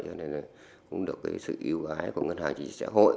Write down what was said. cho nên cũng được sự yêu ái của ngân hàng chính trị xã hội